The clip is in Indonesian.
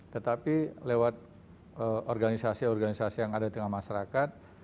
tetapi lewat organisasi organisasi yang ada di tengah masyarakat